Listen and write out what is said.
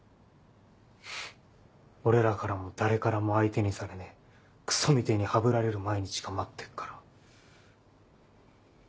フッ俺らからも誰からも相手にされねえクソみてぇにハブられる毎日が待ってっから。